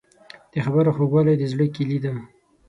د خبرو خوږوالی د زړه کیلي ده.